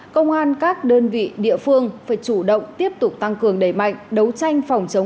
công an các đơn vị địa phương phải chủ động tiếp tục tăng cường đẩy mạnh đấu tranh phòng chống